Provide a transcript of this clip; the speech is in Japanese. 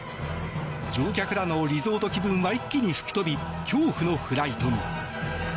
乗客らのリゾート気分は一気に吹き飛び恐怖のフライトに。